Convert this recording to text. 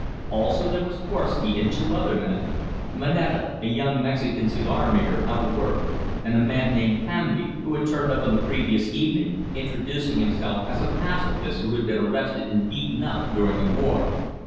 Also there was Korwsky, and two other men; Moneta, a young Mexican cigarmaker out of work, and a man named Hamby, who had turned up on the previous evening, introducing himself as a pacifist who had been arrested and beaten up during the war.